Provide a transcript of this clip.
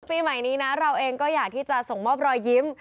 ปีใหม่นี้นะเราเองก็อยากที่จะส่งมอบรอยยิ้ม